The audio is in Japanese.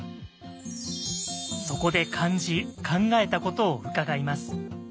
そこで感じ考えたことを伺います。